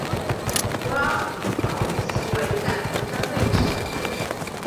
弗拉奥维奇在国家队也是常客。